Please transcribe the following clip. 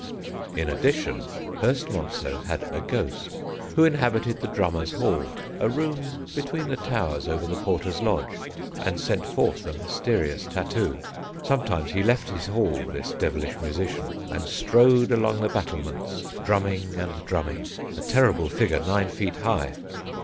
In addition Hurstmonceux had a ghost, who inhabited the Drummers' Hall, a room between the towers over the porter's lodge, and sent forth a mysterious tattoo. Sometimes he left his hall, this devilish musician, and strode along the battlements drumming and drumming, a terrible figure nine feet high.